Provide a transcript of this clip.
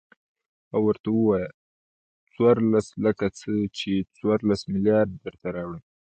او ورته ووايه څورلس لکه څه ،چې څورلس ملېارده درته راوړم.